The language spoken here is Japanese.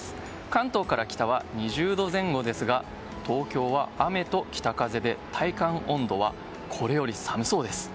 関東から北は２０度前後ですが東京は雨と北風で体感温度はこれより寒そうです。